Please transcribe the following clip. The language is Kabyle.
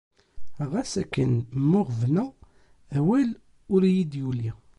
Ɣas akken mmuɣbneɣ, awal ur iyi-d-yuli.